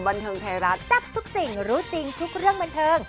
บันเทิงไทยรัฐจับทุกสิ่งรู้จริงทุกเรื่องบันเทิง